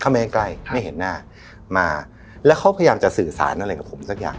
ไม่ใกล้ใกล้ไม่เห็นหน้ามาแล้วเขาพยายามจะสื่อสารอะไรกับผมสักอย่าง